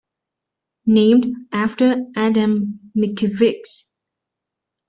Named after Adam Mickiewicz.